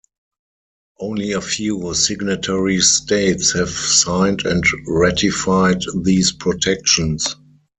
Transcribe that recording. Only a few signatory states have signed and ratified these protections.